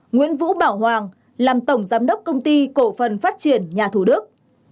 sáu nguyễn vũ bảo hoàng làm tổng giám đốc công ty cổ phần phát triển nhà thủ đức